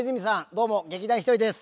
どうも劇団ひとりです。